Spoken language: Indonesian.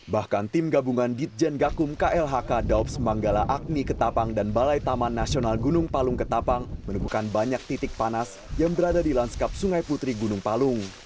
bahkan tim gabungan ditjen gakum klhk daob semanggala agni ketapang dan balai taman nasional gunung palung ketapang menemukan banyak titik panas yang berada di lanskap sungai putri gunung palung